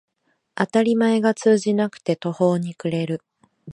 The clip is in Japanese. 当たり前が通じなくて途方に暮れる